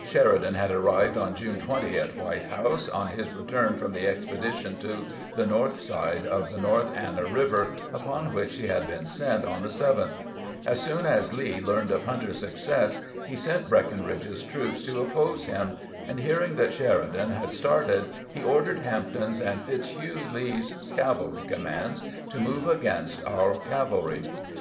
Sheridan had arrived on June 20 at White House, on his return from the expedition to the north side of the North Anna River, upon which he had been sent on the 7th, As soon as Lee learned of Hunter's success he sent Breckinridge's troops to oppose him ; and hearing that Sheridan had started, he ordered Hampton's and Fitzhugh Lee's cavalry commands to move against our cavalry.